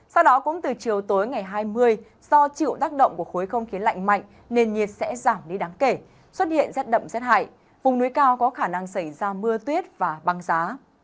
sau đó cũng từ chiều tối ngày hai mươi do chịu tác động của khối không khí lạnh mạnh nền nhiệt sẽ giảm đi đáng kể xuất hiện rét đậm rét hại vùng núi cao có khả năng xảy ra mưa tuyết và băng giá